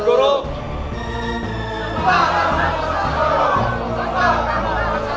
kalau akan oke